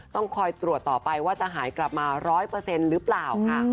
ต้องคอยตรวจต่อไปว่าจะหายกลับมา๑๐๐หรือเปล่าค่ะ